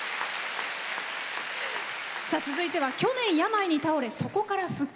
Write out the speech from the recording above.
続いては去年、病に倒れ、そこから復活。